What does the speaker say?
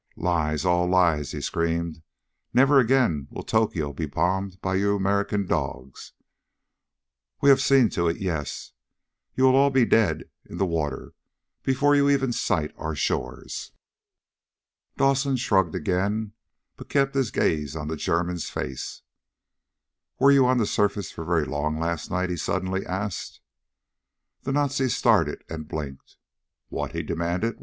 "Lies, all lies!" he screamed. "Never again will Tokyo be bombed by you American dogs. We have seen to it, yes! You will all be dead and in the water before you even sight our shores!" Dawson shrugged again but kept his gaze on the German's face. "Were you on the surface for very long last night?" he suddenly asked. The Nazi started, and blinked. "What?" he demanded.